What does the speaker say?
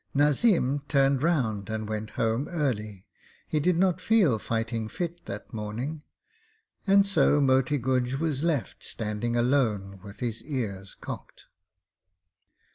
Nazim turned round and went home early. He did not feel fighting fit that morning, and so Moti Guj was left standing alone with his ears cocked.